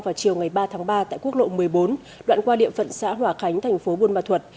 vào chiều ngày ba tháng ba tại quốc lộ một mươi bốn đoạn qua địa phận xã hòa khánh thành phố buôn ma thuật